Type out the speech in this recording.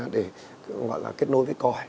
để gọi là kết nối với còi